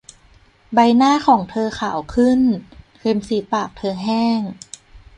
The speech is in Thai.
ใบหน้าของเธอขาวขึ้น ริมฝีปากเธอแห้ง